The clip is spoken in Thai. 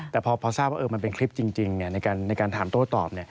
แต่พอทราบว่ามันเป็นคลิปจริงในการถามโต้ตอบ